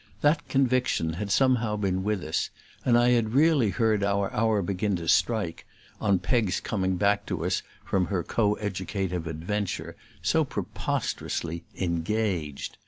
That conviction had somehow been with us, and I had really heard our hour begin to strike on Peg's coming back to us from her co educative adventure so preposterously "engaged."